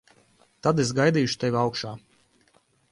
Tad es gaidīšu tevi augšā.